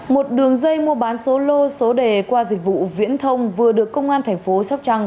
một đường dây mua bán số lô số đề qua dịch vụ viễn thông vừa được công an thành phố sóc trăng